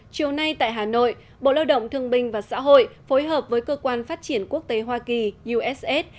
chiều nay tại hà nội bộ lao động thương binh và xã hội phối hợp với cơ quan phát triển quốc tế hoa kỳ uss